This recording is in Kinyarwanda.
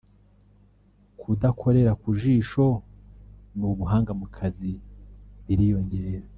kudakorera ku jisho n’ubuhanga mu kazi biriyongera